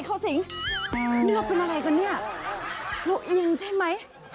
อย่าตัดสินคนที่เลวเพียงครั้งแต่จงฟังเหตุผลที่อยู่ในใจ